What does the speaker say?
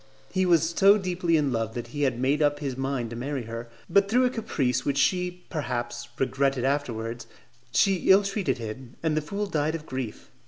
He was so deeply in love that he had made up his mind to marry her; but through a caprice which she, perhaps, regretted afterwards, she ill treated him, and the fool died of grief.